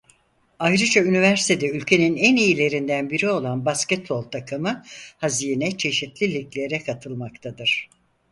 Ayrıca üniversitede ülkenin en iyilerinden biri olan basketbol takımı Hazine çeşitli liglere katılmaktadır.